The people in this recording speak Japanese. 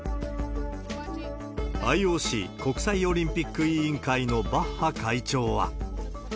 ＩＯＣ・国際オリンピック委員会のバッハ会長は。